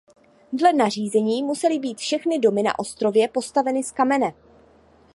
Dle nařízení musely být všechny domy na ostrově postaveny z kamene.